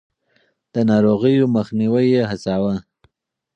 د ناروغيو مخنيوی يې هڅاوه.